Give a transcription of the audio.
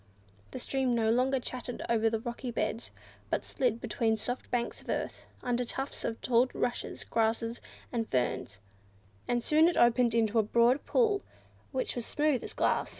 The stream no longer chattered over rocky beds, but slid between soft banks of earth, under tufts of tall rushes, grasses, and ferns, and soon it opened into a broad pool, which was smooth as glass.